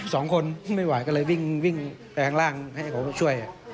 สองคนไม่ไหวก็เลยวิ่งแรงล่างให้เขาช่วย